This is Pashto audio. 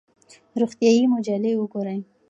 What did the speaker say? روغتیایي مجلې وګورئ.